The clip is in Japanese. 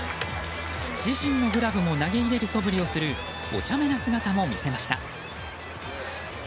自身のグラブも投げ入れるそぶりもするおちゃめな姿も見せました。